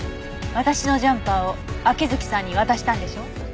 私のジャンパーを秋月さんに渡したんでしょ？